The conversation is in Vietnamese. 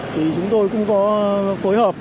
thì chúng tôi cũng có phối hợp